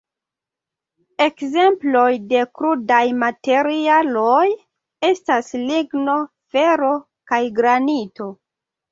Ekzemploj de krudaj materialoj estas ligno, fero kaj granito.